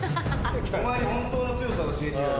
お前に本当の強さを教えてやる。